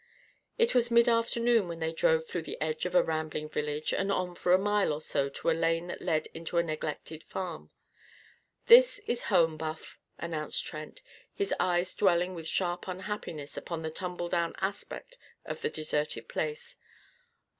It was mid afternoon when they drove through the edge of a rambling village and on for a mile or so to a lane that led into a neglected farm. "This is home, Buff!" announced Trent, his eyes dwelling with sharp unhappiness upon the tumbledown aspect of the deserted place.